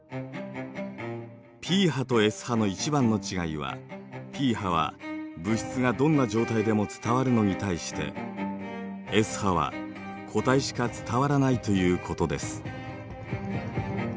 Ｐ波とＳ波の一番の違いはＰ波は物質がどんな状態でも伝わるのに対してＳ波は固体しか伝わらないということです。